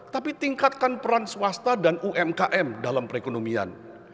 tapi tingkatkan peran swasta dan umkm dalam perekonomian